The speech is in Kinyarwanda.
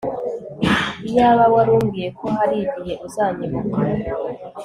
iyaba wari umbwiye ko hari igihe uzanyibuka